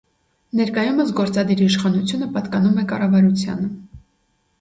Ներկայումս գործադիր իշխանությունը պատկանում է կառավարությանը։